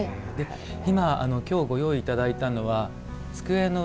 今日ご用意いただいたのは机の上。